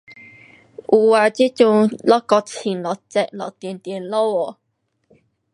有啊这阵一下冷，一下热，一下落雨。